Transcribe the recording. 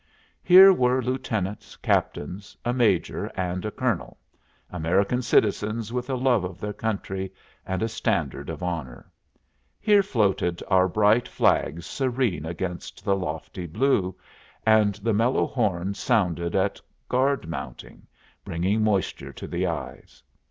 Here were lieutenants, captains, a major, and a colonel, American citizens with a love of their country and a standard of honor; here floated our bright flag serene against the lofty blue, and the mellow horns sounded at guard mounting, bringing moisture to the eyes.